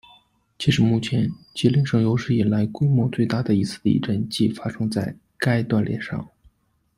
截止目前，吉林省有史以来规模最大的一次地震即发生在该断裂上。